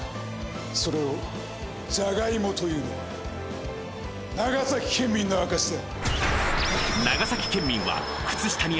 それをじゃがいもと言うのは長崎県民の証しだ。